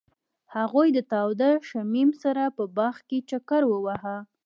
هغوی د تاوده شمیم سره په باغ کې چکر وواهه.